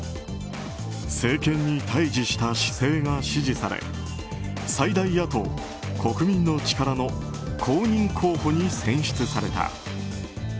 政権に対峙した姿勢が支持され最大野党・国民の力の公認候補に選出された。